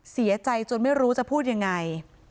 เสียใจจนไม่รู้จะพูดยังไง